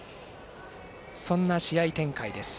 そんな試合展開です。